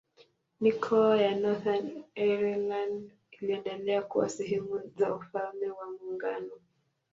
Mikoa ya Northern Ireland iliendelea kuwa sehemu za Ufalme wa Muungano.